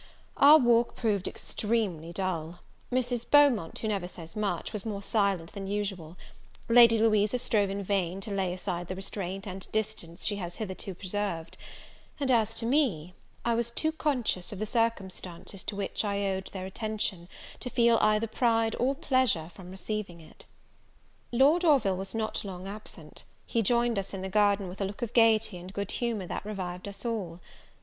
Our walk proved extremely dull: Mrs. Beaumont, who never says much, was more silent than usual; Lady Louisa strove in vain to lay aside the restraint and distance she has hitherto preserved; and, as to me, I was too conscious of the circumstances to which I owed their attention, to feel either pride or pleasure from receiving it. Lord Orville was not long absent: he joined us in the garden with a look of gaiety and good humour that revived us all.